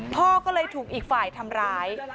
พ่อก็เลยถูกอีกฝ่ายทำร้าย